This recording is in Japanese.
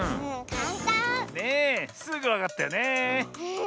ねえすぐわかったよねえ。